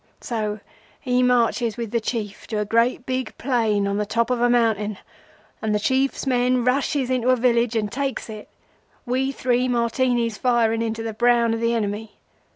So he marches with the Chief to a great big plain on the top of a mountain, and the Chiefs men rushes into a village and takes it; we three Martinis firing into the brown of the enemy.